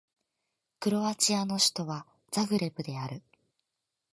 クロアチアの首都はザグレブである